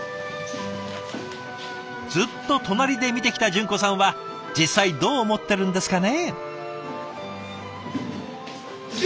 ずっと隣で見てきた純子さんは実際どう思ってるんですかね？